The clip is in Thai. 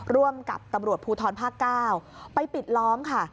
ร่วมกับตำรวจภูทรภาค๙ไปปิดล้อมค่ะ